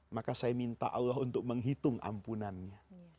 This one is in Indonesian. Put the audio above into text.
maka saya minta allah untuk menghitung ampunannya